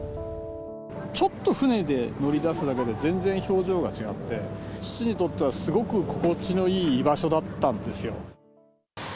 ちょっと船で乗り出すだけで、全然表情が違って、父にとってはすごく心地のいい居場所だったんですよ。